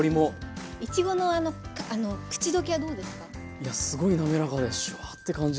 いやすごいなめらかでシュワッて感じ。